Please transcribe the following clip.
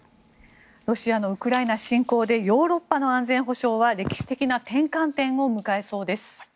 ロシアのウクライナ侵攻でヨーロッパの安全保障は歴史的な転換点を迎えそうです。